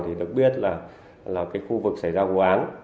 thì được biết là cái khu vực xảy ra vụ án